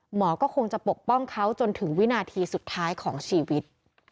หมอก็คงจะปกป้องเขาจนถึงวินาทีสุดท้ายของชีวิต